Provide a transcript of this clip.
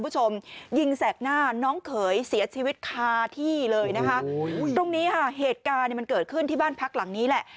ตรงนี้เหตุการณ์มันเกิดขึ้นที่บ้านพักหลังนี้แหละ